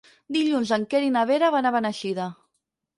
Dilluns en Quer i na Vera van a Beneixida.